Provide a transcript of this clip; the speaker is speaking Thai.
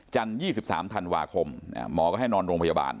๒๓ธันวาคมหมอก็ให้นอนโรงพยาบาล